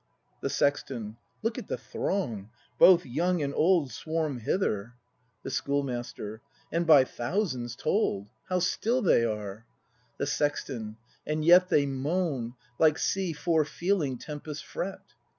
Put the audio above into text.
The Sexton. Look at the throng. Both young and old Swarm hither. 224 BRAND [act v The Schoolmaster. And by thousands told. — How still they are ! The Sexton. And yet they moan, Like sea fore feeling tempest's fret.